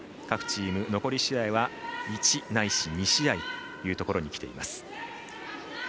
各チーム残り試合は１ないし２試合というところにきています。